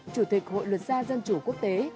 chủ tịch hội luật gia dân chủ quốc tế